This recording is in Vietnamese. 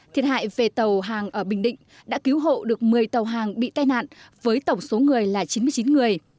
thiệt hại về tàu hàng ở bình định đã cứu hộ được một mươi tàu hàng bị tai nạn với tổng số người là chín mươi chín người